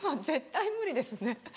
絶対無理ですね。